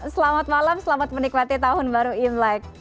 selamat malam selamat menikmati tahun baru imlek